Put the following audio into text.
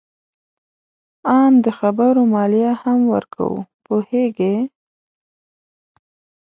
آن د خبرو مالیه هم ورکوو. پوهیږې؟